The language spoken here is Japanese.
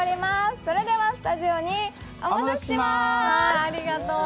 それではスタジオにお戻ししまーす。